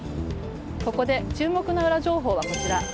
ここで注目のウラ情報はこちら。